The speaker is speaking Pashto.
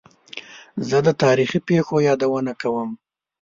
زه د تاریخي پېښو یادونه کوم.